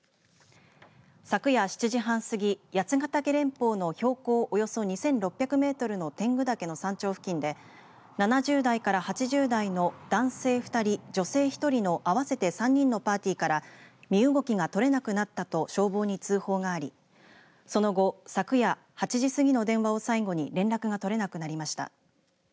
昨夜、７時半過ぎ八ヶ岳連峰の標高およそ２６００メートルの天狗岳の山頂付近で７０代から８０代の男性２人女性１人の合わせて３人のパーティーから身動きが取れなくなったと消防に通報がありその後、昨夜８時過ぎの電話を最後に連絡が取れなくなりました。